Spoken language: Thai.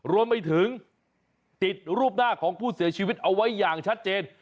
รวมไปถึงติดรูปหน้าของผู้เสียชีวิตเอาไว้อย่างชัดเจน